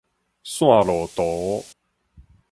線路圖